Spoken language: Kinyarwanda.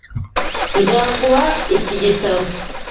Nzaguha iki gitabo.